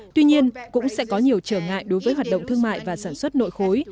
tuy nhiên cũng sẽ có nhiều trở ngại đối với hoạt động thương mại và sản xuất nội khối